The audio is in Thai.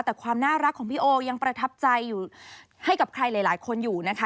แต่ความน่ารักของพี่โอยังประทับใจอยู่ให้กับใครหลายคนอยู่นะคะ